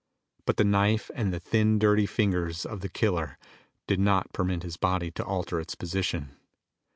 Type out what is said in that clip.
But the knife and the thin, dirty fingers of the killer did not permit his body to alter its position.